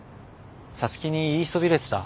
皐月に言いそびれてた。